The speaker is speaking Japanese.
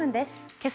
けさ